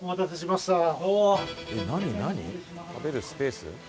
「食べるスペース」？